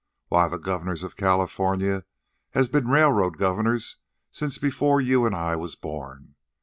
Why, the governors of California has been railroad governors since before you and I was born.